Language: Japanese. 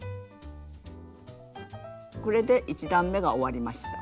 これで１段めが終わりました。